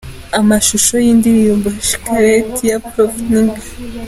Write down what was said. Amashusho y’Indirimbo Shikareti ya Prof Nigga:.